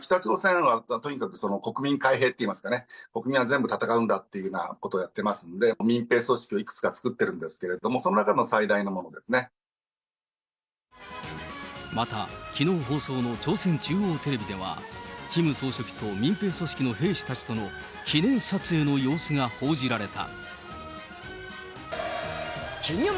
ですから、それほど戦闘力は高くないんですけれども、北朝鮮はとにかく国民皆兵といいますかね、国民は全部戦うんだってことをやっていますので、民兵組織をいくつか作ってるんですけども、その中の最大のものでまたきのう放送の朝鮮中央テレビでは、キム総書記と民兵組織の兵士たちとの記念撮影の様子が報じられた。